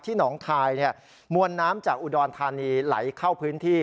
หนองคายมวลน้ำจากอุดรธานีไหลเข้าพื้นที่